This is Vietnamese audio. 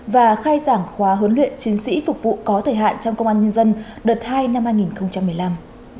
và khai giảng khóa huấn luyện chiến sĩ phục vụ có thời hạn trong công an nhân dân đợt hai năm hai nghìn một mươi năm